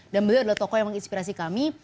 dan beliau adalah tokoh yang menginspirasi kami